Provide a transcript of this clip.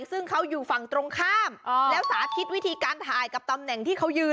ซึ่งเขาอยู่ฝั่งตรงข้ามแล้วสาธิตวิธีการถ่ายกับตำแหน่งที่เขายืน